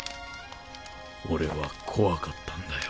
俺は怖かったんだよ